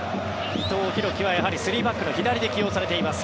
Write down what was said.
伊藤洋輝は３バックの左で起用されています。